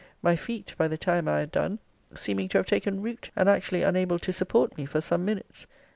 My feet, by the time I had done, seeming to have taken root, and actually unable to support me for some minutes!